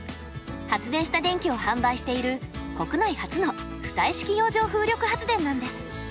発電した電気を販売している国内初の浮体式洋上風力発電なんです。